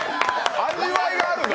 味わいがあるよ。